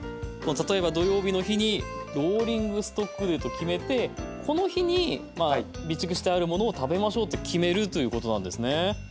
例えば土曜日の日にローリングストックデーと決めてこの日に備蓄してあるものを食べましょうと決めるということなんですね。